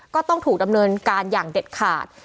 ต้องถูกดำเนินการอย่างเด็ดขาด